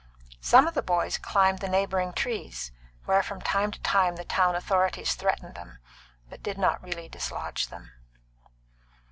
Some of the boys climbed the neighbouring trees, where from time to time the town authorities threatened them, but did not really dislodge them.